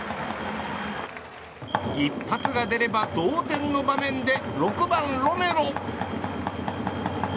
１発が出れば同点の場面で６番、ロメロ。